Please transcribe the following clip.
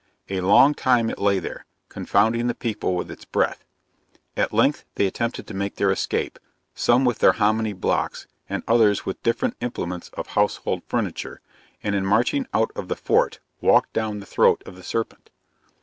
A long time it lay there, confounding the people with its breath. At length they attempted to make their escape, some with their hommany blocks, and others with different implements of household furniture; and in marching out of the fort walked down the throat of the serpent.